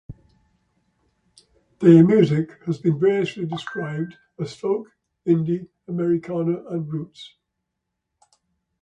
Their music has been variously described as "folk", "indie", "Americana" and "roots".